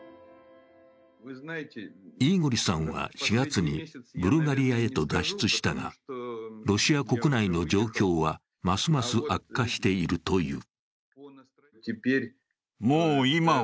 イーゴリさんは４月にブルガリアへと脱出したが、ロシア国内の状況はますます悪化しているという。